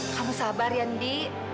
kamu sabar ya indi